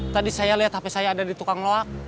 tadi saya lihat hape saya ada di tukang